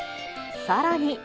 さらに。